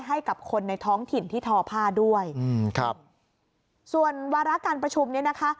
ให้กับคนในท้องถิ่นที่ทอผ้าด้วยอืมครับส่วนวาระการประชุมเนี้ยนะคะ